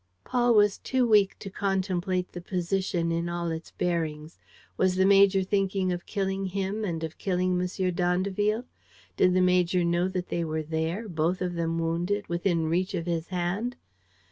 Paul was too weak to contemplate the position in all its bearings. Was the major thinking of killing him and of killing M. d'Andeville? Did the major know that they were there, both of them wounded, within reach of his hand?